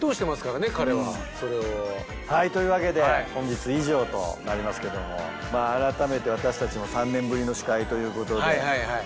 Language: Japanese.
はいというわけで本日以上となりますけどもまああらためて私たちも３年ぶりの司会ということで。